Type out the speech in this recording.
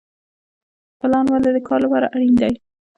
پلان ولې د کار لپاره اړین دی؟